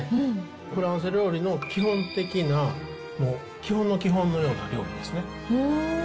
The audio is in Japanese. フランス料理の基本的な基本の基本のような料理ですね。